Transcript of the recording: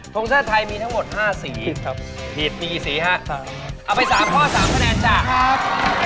ทรงเชื้อไทยมีทั้งหมด๕สีครับผิดมีอีก๔๕ครับเอาไป๓ข้อ๓คะแนนจ้ะครับ